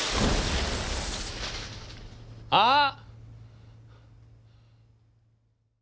あっ！